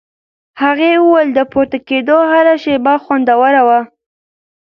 هغې وویل د پورته کېدو هره شېبه خوندوره وه.